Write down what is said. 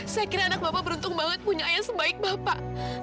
saya kira anak bapak beruntung banget punya ayah sebaik bapak